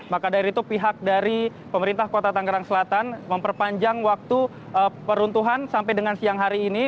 maka dari itu pihak dari pemerintah kota tangerang selatan memperpanjang waktu peruntuhan sampai dengan siang hari ini